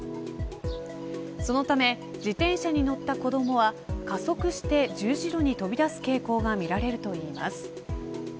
そのため自転車に乗った子どもは加速して十字路に飛び出す傾向が見られるといいます。